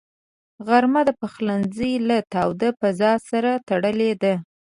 غرمه د پخلنځي له تاوده فضاء سره تړلې ده